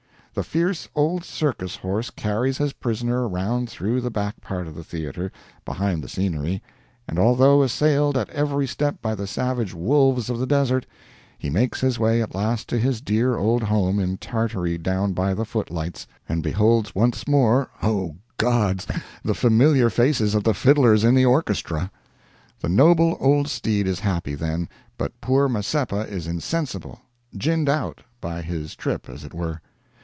The fierce old circus horse carries his prisoner around through the back part of the theatre, behind the scenery, and although assailed at every step by the savage wolves of the desert, he makes his way at last to his dear old home in Tartary down by the foot lights, and beholds once more, O, gods! the familiar faces of the fiddlers in the orchestra. The noble old steed is happy, then, but poor Mazeppa is insensible—"ginned out" by his trip, as it were.